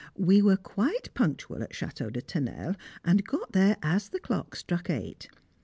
We were quite punctual at Château de Tournelle, and got there as the clock struck eight.